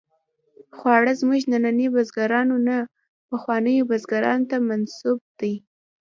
خواړه زموږ ننني بزګرانو نه، پخوانیو بزګرانو ته منسوب دي.